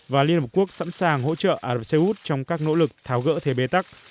và liên hợp quốc sẵn sàng hỗ trợ ả rập xê út trong các nỗ lực tháo gỡ thế bế tắc